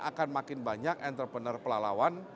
akan makin banyak entrepreneur pelalawan